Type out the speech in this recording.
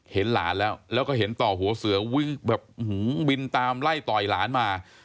เห็นหลานแล้วแล้วก็เห็นต่อหัวเสือวิ่งแบบบินตามไล่ต่อยหลานมา